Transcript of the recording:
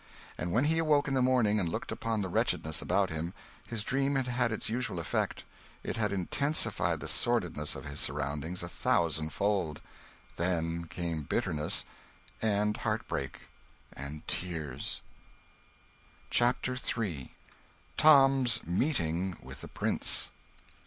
And when he awoke in the morning and looked upon the wretchedness about him, his dream had had its usual effect it had intensified the sordidness of his surroundings a thousandfold. Then came bitterness, and heart break, and tears. CHAPTER III. Tom's meeting with the Prince.